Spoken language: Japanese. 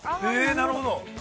◆なるほど。